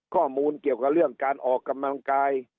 ข้อมูลเกี่ยวกับเรื่องการออกกำลังกาย